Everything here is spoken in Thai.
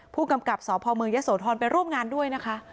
ผู้กำกับสพเมืองยะโสธรไปร่วมงานด้วยนะคะ